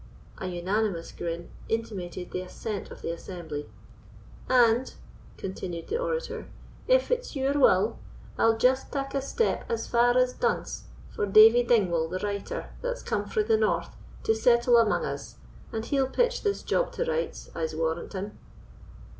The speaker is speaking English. An unanimous grin intimated the assent of the assembly. "And," continued the orator, "if it's your wull, I'll just tak a step as far as Dunse for Davie Dingwall, the writer, that's come frae the North to settle amang us, and he'll pit this job to rights, I'se warrant him."